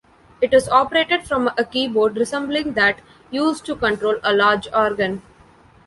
It is operated from a keyboard resembling that used to control a large organ.